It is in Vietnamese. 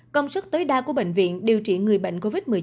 công suất tối đa của bệnh viện điều trị người bệnh covid một mươi chín